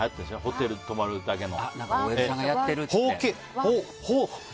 ホテルに泊まるだけの。